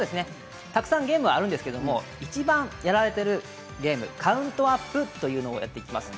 たくさんゲームがあるんですがいちばんやられているゲーム、カウントアップというのをやっていきます。